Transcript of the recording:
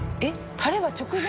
タレは直前？